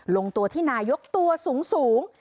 ลงตัวที่นายกตัวสูง